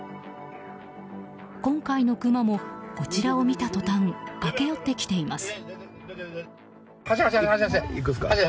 今回のクマもこちらを見た途端駆け寄ってきています。